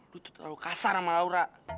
lu tuh terlalu kasar sama laura